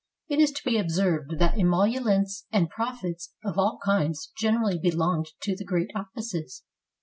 It is to be observed that emoluments and prof its of all kinds generally belonged to the great offices.